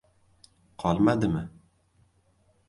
— Qolmadimi?